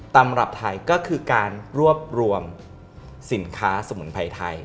ตำรับไทยก็คือการรวบรวมสินค้าสมุนไพรไทย